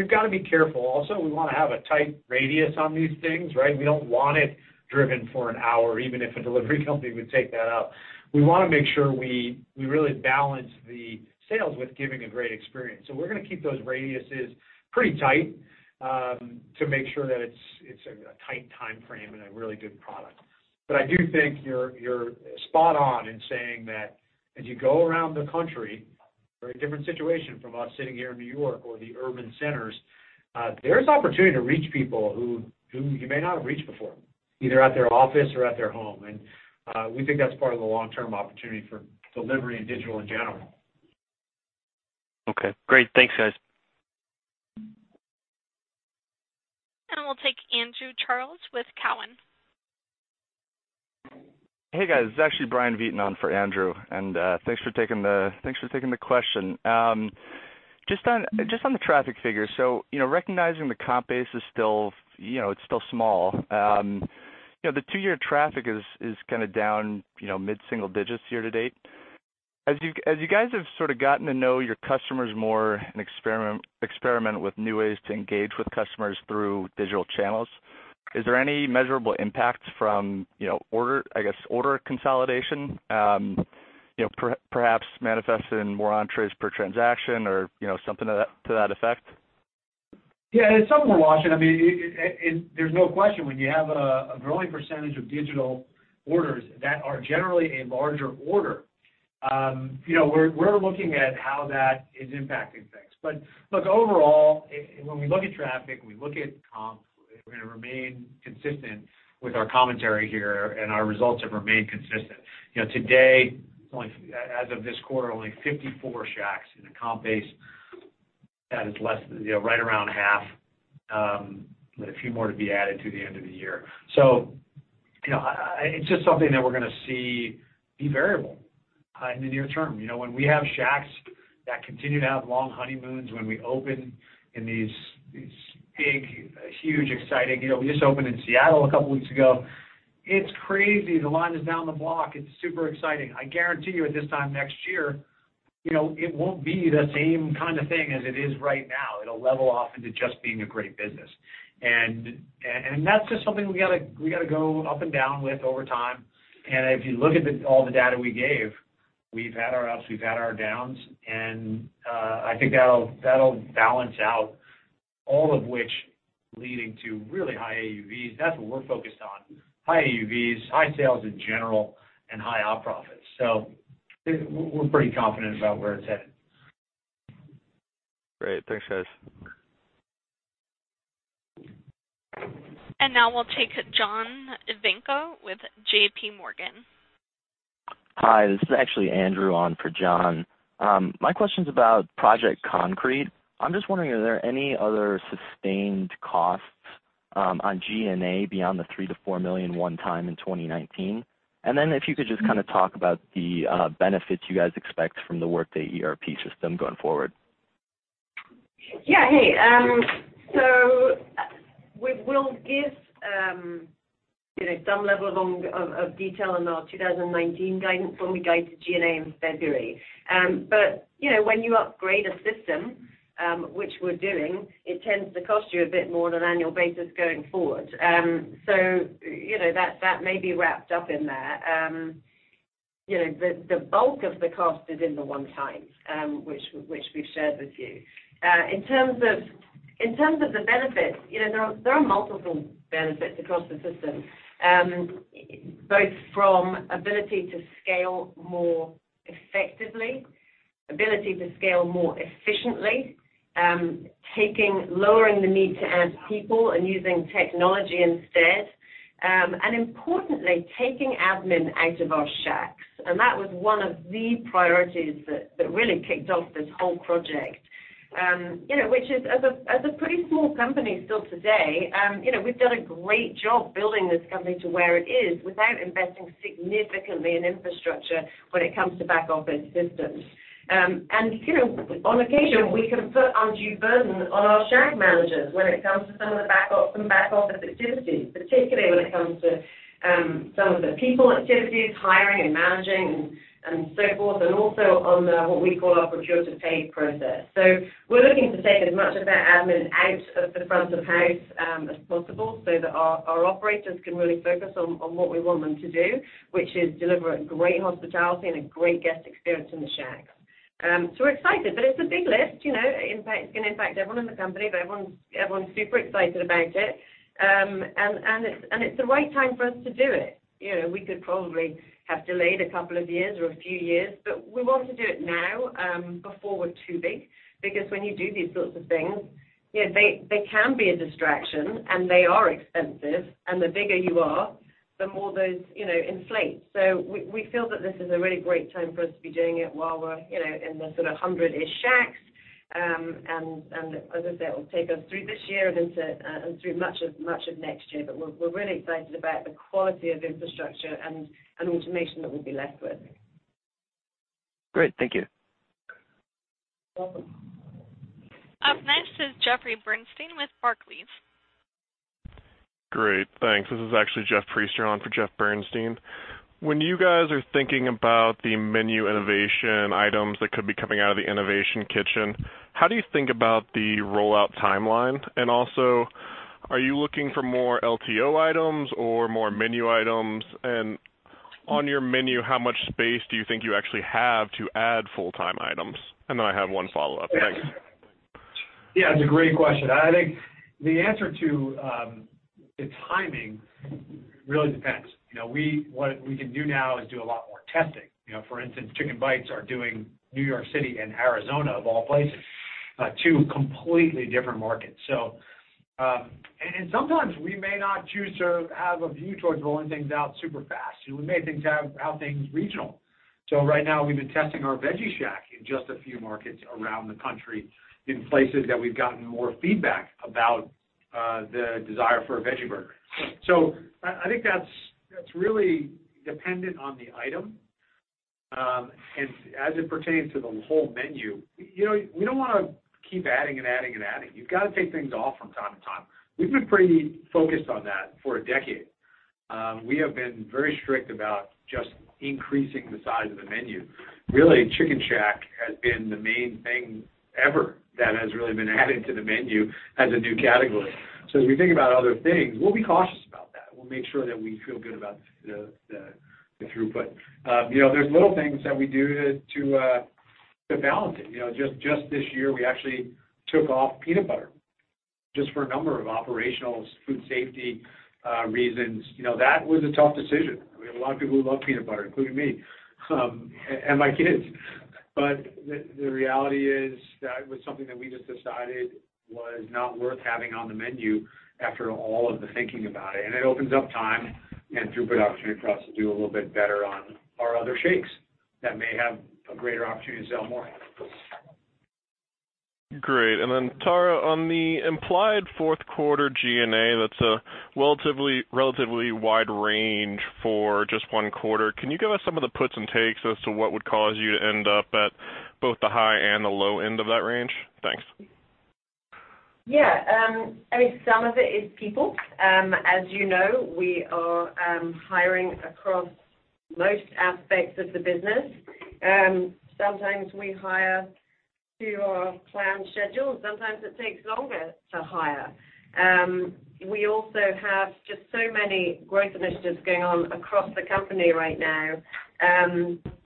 got to be careful also. We want to have a tight radius on these things, right? We don't want it driven for an hour, even if a delivery company would take that up. We want to make sure we really balance the sales with giving a great experience. We're going to keep those radiuses pretty tight to make sure that it's a tight time frame and a really good product. I do think you're spot on in saying that as you go around the country, very different situation from us sitting here in New York or the urban centers, there's opportunity to reach people who you may not have reached before, either at their office or at their home. We think that's part of the long-term opportunity for delivery and digital in general. Okay, great. Thanks, guys. We'll take Andrew Charles with Cowen. Hey, guys. It's actually Brian Vieten on for Andrew, and thanks for taking the question. Just on the traffic figures. Recognizing the comp base is still small. The two-year traffic is down mid-single digits year to date. As you guys have gotten to know your customers more and experiment with new ways to engage with customers through digital channels, is there any measurable impact from order consolidation, perhaps manifested in more entrees per transaction or something to that effect? Yeah, it's something we're watching. There's no question when you have a growing percentage of digital orders that are generally a larger order. We're looking at how that is impacting things. Look, overall, when we look at traffic and we look at comps, we're going to remain consistent with our commentary here, and our results have remained consistent. Today, as of this quarter, only 54 Shacks in a comp base that is right around half, with a few more to be added to the end of the year. It's just something that we're going to see be variable in the near term. When we have Shacks that continue to have long honeymoons when we open in these big, huge, exciting. We just opened in Seattle a couple weeks ago. It's crazy. The line is down the block. It's super exciting. I guarantee you, at this time next year, it won't be the same kind of thing as it is right now. It'll level off into just being a great business. That's just something we got to go up and down with over time. If you look at all the data we gave, we've had our ups, we've had our downs, and I think that'll balance out all of which leading to really high AUVs. That's what we're focused on, high AUVs, high sales in general, and high op profits. We're pretty confident about where it's headed. Great. Thanks, guys. Now we'll take John Ivankoe with J.P. Morgan. Hi, this is actually Andrew on for John. My question's about Project Concrete. I'm just wondering, are there any other sustained costs on G&A beyond the $3 million-$4 million one time in 2019? If you could just kind of talk about the benefits you guys expect from the Workday ERP system going forward. We'll give some level of detail in our 2019 guidance when we guide to G&A in February. When you upgrade a system, which we're doing, it tends to cost you a bit more on an annual basis going forward. That may be wrapped up in there. The bulk of the cost is in the one-time, which we've shared with you. In terms of the benefits, there are multiple benefits across the system, both from ability to scale more effectively, ability to scale more efficiently, lowering the need to add people and using technology instead, and importantly, taking admin out of our Shacks. That was one of the priorities that really kicked off this whole project, which is as a pretty small company still today, we've done a great job building this company to where it is without investing significantly in infrastructure when it comes to back-office systems. On occasion, we can put undue burden on our Shack managers when it comes to some of the back-office activities, particularly when it comes to some of the people activities, hiring and managing and so forth, and also on what we call our procure-to-pay process. We're looking to take as much of that admin out of the front of house as possible so that our operators can really focus on what we want them to do, which is deliver a great hospitality and a great guest experience in the Shack. We're excited, but it's a big lift. It's going to impact everyone in the company, but everyone's super excited about it. It's the right time for us to do it. We could probably have delayed a couple of years or a few years, but we want to do it now before we're too big, because when you do these sorts of things, they can be a distraction and they are expensive, and the bigger you are, the more those inflate. We feel that this is a really great time for us to be doing it while we're in the sort of 100-ish Shacks. As I say, it will take us through this year and through much of next year. We're really excited about the quality of infrastructure and automation that we'll be left with. Great. Thank you. Welcome. Up next is Jeffrey Bernstein with Barclays. Great, thanks. This is actually Jeff Priester on for Jeff Bernstein. When you guys are thinking about the menu innovation items that could be coming out of the Innovation Kitchen, how do you think about the rollout timeline? Are you looking for more LTO items or more menu items? On your menu, how much space do you think you actually have to add full-time items? I have one follow-up. Thanks. Yeah, it's a great question. I think the answer to the timing really depends. What we can do now is do a lot more testing. For instance, Chick'n Bites are doing New York City and Arizona, of all places, two completely different markets. Sometimes we may not choose to have a view towards rolling things out super fast. We may have things regional. Right now, we've been testing our Veggie Shack in just a few markets around the country in places that we've gotten more feedback about the desire for a veggie burger. I think that's really dependent on the item. As it pertains to the whole menu, we don't want to keep adding and adding and adding. You've got to take things off from time to time. We've been pretty focused on that for a decade. We have been very strict about just increasing the size of the menu. Really, Chick'n Shack has been the main thing ever that has really been added to the menu as a new category. As we think about other things, we'll be cautious about it. We'll make sure that we feel good about the throughput. There's little things that we do to balance it. Just this year, we actually took off peanut butter just for a number of operational food safety reasons. That was a tough decision. We have a lot of people who love peanut butter, including me and my kids. The reality is that was something that we just decided was not worth having on the menu after all of the thinking about it. It opens up time and throughput opportunity for us to do a little bit better on our other shakes that may have a greater opportunity to sell more. Great. Tara, on the implied fourth quarter G&A, that's a relatively wide range for just one quarter. Can you give us some of the puts and takes as to what would cause you to end up at both the high and the low end of that range? Thanks. I mean, some of it is people. As you know, we are hiring across most aspects of the business. Sometimes we hire to our planned schedule. Sometimes it takes longer to hire. We also have just so many growth initiatives going on across the company right now.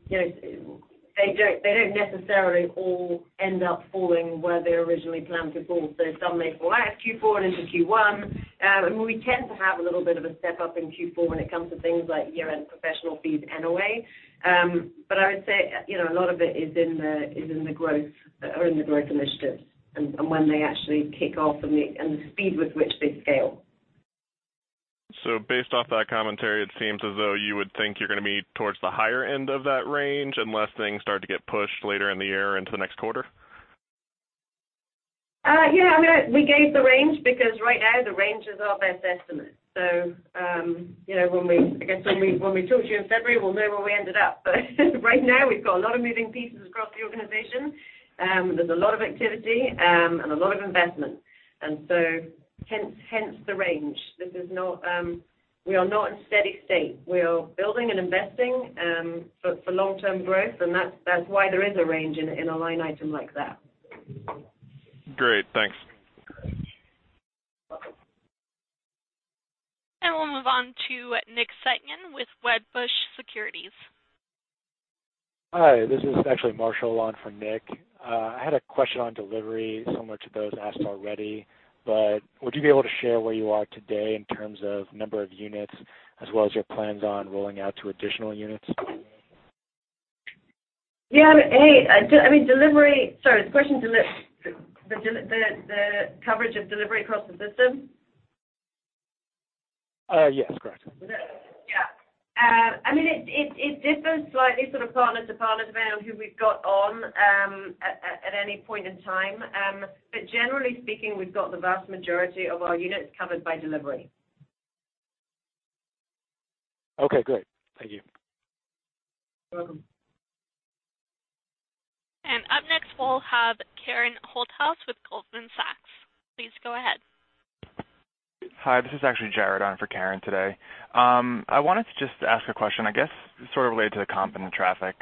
They don't necessarily all end up falling where they originally planned to fall. Some may fall out of Q4 into Q1. We tend to have a little bit of a step-up in Q4 when it comes to things like year-end professional fees and NOA. I would say a lot of it is in the growth initiatives and when they actually kick off and the speed with which they scale. Based off that commentary, it seems as though you would think you're going to be towards the higher end of that range unless things start to get pushed later in the year into the next quarter. Yeah, we gave the range because right now the range is our best estimate. I guess when we talk to you in February, we'll know where we ended up. Right now we've got a lot of moving pieces across the organization. There's a lot of activity and a lot of investment. Hence the range. We are not in a steady state. We are building and investing for long-term growth, and that's why there is a range in a line item like that. Great. Thanks. We'll move on to Nick Setyan with Wedbush Securities. Hi, this is actually Marshall on for Nick. I had a question on delivery similar to those asked already, would you be able to share where you are today in terms of number of units as well as your plans on rolling out to additional units? Yeah. Hey, I mean, Sorry, the question, the coverage of delivery across the system? Yes, correct. Yeah. It differs slightly sort of partner to partner depending on who we've got on at any point in time. Generally speaking, we've got the vast majority of our units covered by delivery. Okay, great. Thank you. Up next, we'll have Karen Holthouse with Goldman Sachs. Please go ahead. Hi, this is actually Jared on for Karen today. I wanted to just ask a question, I guess sort of related to the comp and the traffic.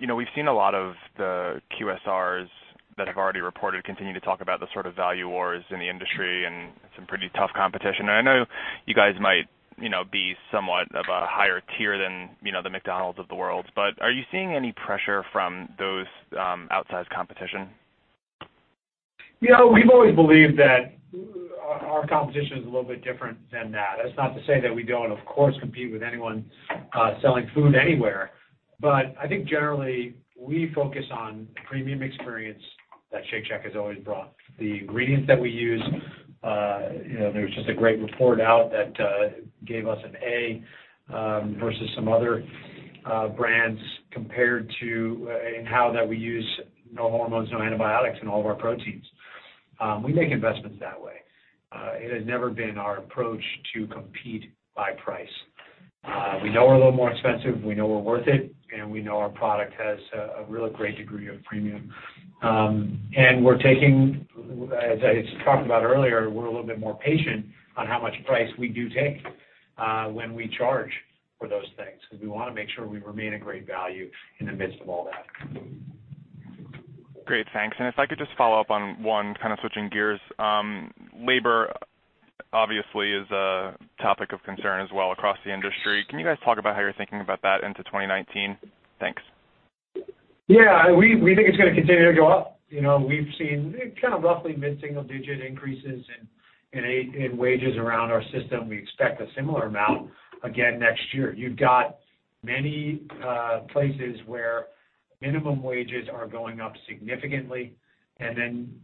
We've seen a lot of the QSRs that have already reported continue to talk about the sort of value wars in the industry and some pretty tough competition. I know you guys might be somewhat of a higher tier than the McDonald's of the world, but are you seeing any pressure from those outside competition? We've always believed that our competition is a little bit different than that. That's not to say that we don't, of course, compete with anyone selling food anywhere. I think generally, we focus on the premium experience that Shake Shack has always brought. The ingredients that we use, there was just a great report out that gave us an A versus some other brands compared to in how that we use no hormones, no antibiotics in all of our proteins. We make investments that way. It has never been our approach to compete by price. We know we're a little more expensive, we know we're worth it, and we know our product has a really great degree of premium. We're taking, as I talked about earlier, we're a little bit more patient on how much price we do take when we charge for those things because we want to make sure we remain a great value in the midst of all that. Great. Thanks. If I could just follow up on one, kind of switching gears. Labor obviously is a topic of concern as well across the industry. Can you guys talk about how you're thinking about that into 2019? Thanks. We think it's going to continue to go up. We've seen kind of roughly mid-single-digit increases in wages around our system. We expect a similar amount again next year. You've got many places where minimum wages are going up significantly, and then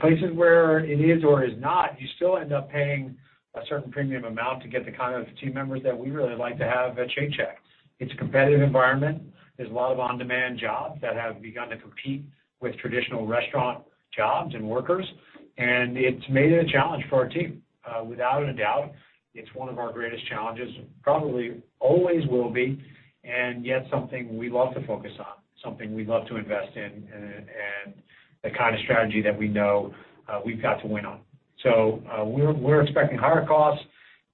places where it is or is not, you still end up paying a certain premium amount to get the kind of team members that we really like to have at Shake Shack. It's a competitive environment. There's a lot of on-demand jobs that have begun to compete with traditional restaurant jobs and workers, and it's made it a challenge for our team. Without a doubt, it's one of our greatest challenges, probably always will be, and yet something we love to focus on, something we love to invest in, and the kind of strategy that we know we've got to win on. We're expecting higher costs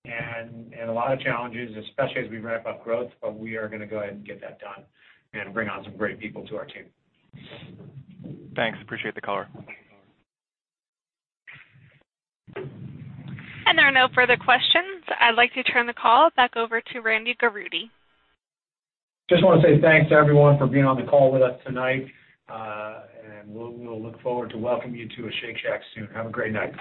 and a lot of challenges, especially as we ramp up growth, but we are going to go ahead and get that done and bring on some great people to our team. Thanks. Appreciate the color. There are no further questions. I'd like to turn the call back over to Randy Garutti. Just want to say thanks to everyone for being on the call with us tonight, and we'll look forward to welcoming you to a Shake Shack soon. Have a great night.